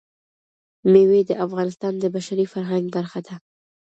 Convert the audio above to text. مېوې د افغانستان د بشري فرهنګ برخه ده.